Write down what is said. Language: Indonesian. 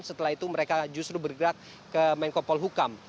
setelah itu mereka justru bergerak ke menkopol hukam